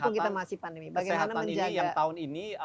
mumpung kita masih pandemi bagaimana menjaga kesehatan ini yang tahun ini